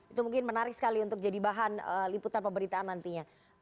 itu mungkin menarik sekali untuk jadi bahan liputan pemberitaan nantinya